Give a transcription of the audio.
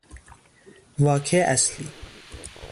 واکه اصلی